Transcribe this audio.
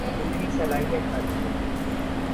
اتنی صلاحیت ہی نہ تھی۔